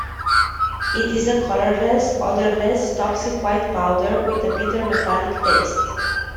It is a colorless, odorless, toxic white powder with a bitter metallic taste.